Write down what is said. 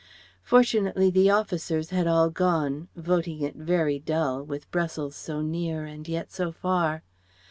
Fortunately the officers had all gone, voting it very dull, with Brussels so near and yet so far.